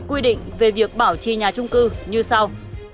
quy định về việc bảo trì nhà trung cư như sau